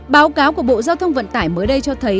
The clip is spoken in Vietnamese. báo cáo của bộ giao thông vận tải mới đây cho thấy